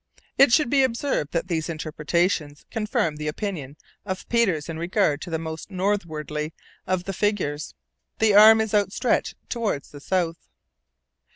It should be observed that these interpretations confirm the opinion of Peters in regard to the "most northwardly" of the figures. The arm is outstretched toward the south.